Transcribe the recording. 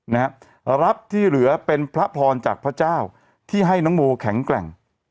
นะครับรับที่เหลือเป็นพระพรจากพระเจ้าที่ให้น้องโมแข็งแกร่ง